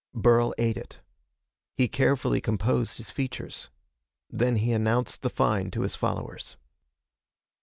Burl ate it. He carefully composed his features. Then he announced the find to his followers.